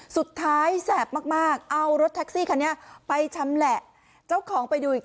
สุดท้ายแสบมากเอารถแท็กซี่คันนี้ไปช้ำแหละ